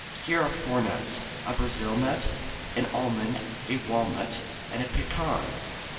Here are four nuts, a brazil nut, an almond, a walnut and a pecan.